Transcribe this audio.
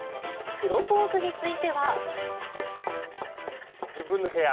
プロポーズについては。